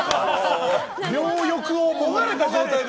両翼をもがれた状態で。